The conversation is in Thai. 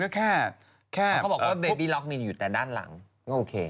รักษาได้คือมันก็แค่